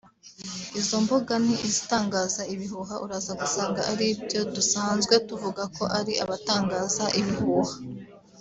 izo mbuga ni izitangaza ibihuha uraza gusanga ari ibyo dusanzwe tuvuga ko ari abatangaza ibihuha